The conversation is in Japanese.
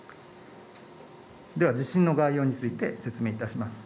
では地震の概要について説明いたします